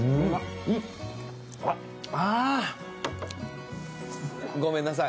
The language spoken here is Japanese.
あごめんなさい。